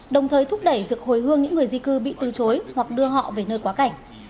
đồng thời thúc đẩy việc hồi hương những người di cư bị từ chối hoặc đưa họ về nơi quá cảnh